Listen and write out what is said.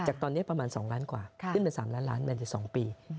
จากตอนเนี้ยประมาณสองล้านกว่าค่ะขึ้นเป็นสามล้านล้านมันจะสองปี